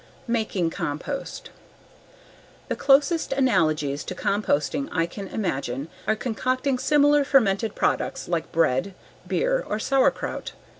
Making Compost The closest analogies to composting I can imagine are concocting similar fermented products like bread, beer, or sauerkraut.